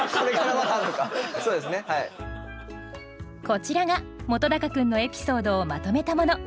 こちらが本君のエピソードをまとめたもの。